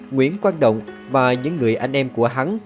nguyễn quang động và những người anh em của hắn